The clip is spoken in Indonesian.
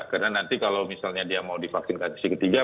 karena nanti kalau misalnya dia mau divaksinasi ketiga